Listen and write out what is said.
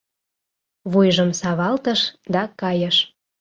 Вуйжым савалтыш да кайыш.